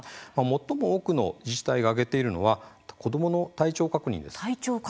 最も多くの自治体が挙げているのは子どもの体調確認です。